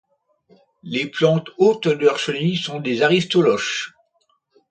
Les plantes hôtes de leur chenille sont des aristoloches.